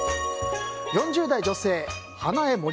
４０代女性。